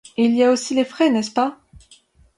Et il y a aussi les frais, n'est-ce pas?